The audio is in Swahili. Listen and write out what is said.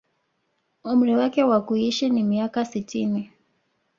Umri wake wa kuishi ni miaka sitini